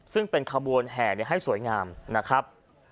ซึ่งเป็นขบวนแห่ให้สวยงามนะครับ